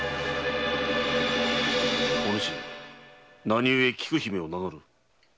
お主何故菊姫を名乗る？